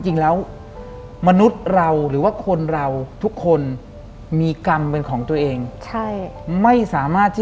หลังจากนั้นเราไม่ได้คุยกันนะคะเดินเข้าบ้านอืม